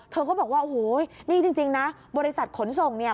เธอก็บอกว่าโอ้โหนี่จริงนะบริษัทขนส่งเนี่ย